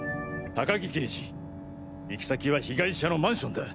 高木刑事行き先は被害者のマンションだ。